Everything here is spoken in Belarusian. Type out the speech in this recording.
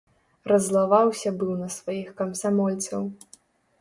Раззлаваўся быў на сваіх камсамольцаў.